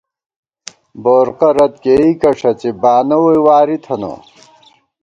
بورقہ رت کېئیکہ ݭڅی ، بانہ ووئی واری تھنہ